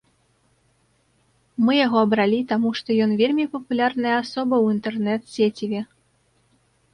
Мы яго абралі таму, што ён вельмі папулярная асоба ў інтэрнэт-сеціве.